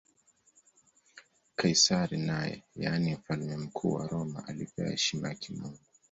Kaisari naye, yaani Mfalme Mkuu wa Roma, alipewa heshima ya kimungu.